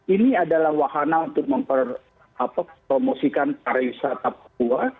ini adalah wahana untuk mempromosikan para wisata papua